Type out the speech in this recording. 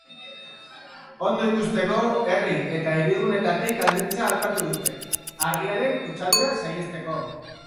Ondo ikusteko, herri eta hiriguneetatik aldentzea aholkatu dute, argiaren kutsadura saihesteko.